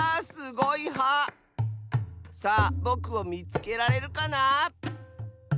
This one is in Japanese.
すごい「は」！さあぼくをみつけられるかな？